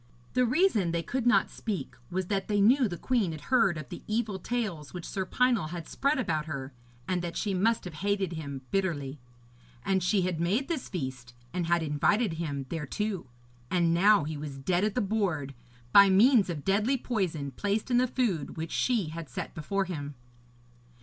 The reason they could not speak was that they knew the queen had heard of the evil tales which Sir Pinel had spread about her, and that she must have hated him bitterly. And she had made this feast, and had invited him thereto, and now he was dead at the board, by means of deadly poison placed in the food which she had set before him.